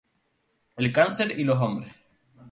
El cáncer y los hombres